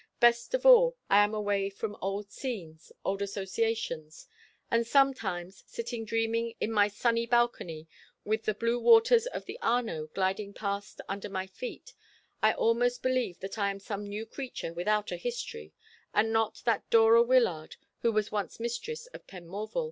Best of all, I am away from old scenes, old associations; and sometimes, sitting dreaming in my sunny balcony, with the blue waters of the Arno gliding past under my feet, I almost believe that I am some new creature without a history, and not that Dora Wyllard who was once mistress of Penmorval.